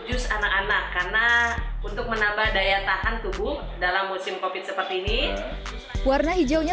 jus anak anak karena untuk menambah daya tahan tubuh dalam musim covid seperti ini warna hijaunya